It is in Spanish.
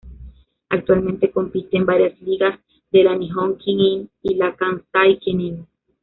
Actualmente compite en varias ligas de la Nihon Ki-In y la Kansai Ki-in.